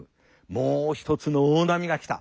もう一つの大波が来た。